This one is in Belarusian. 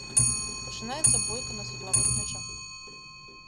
Пачынаецца бойка на светлавых мячах.